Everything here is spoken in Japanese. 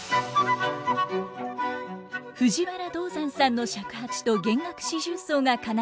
藤原道山さんの尺八と弦楽四重奏が奏でるバッハの名曲。